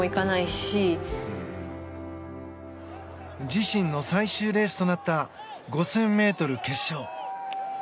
自身の最終レースとなった５０００ｍ決勝。